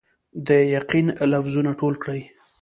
د یقین لفظونه ټول کړئ